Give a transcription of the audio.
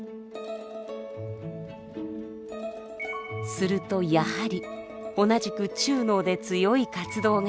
するとやはり同じく中脳で強い活動が。